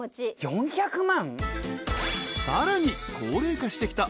４００万？